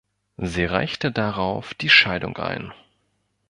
Sie reichte darauf die Scheidung ein.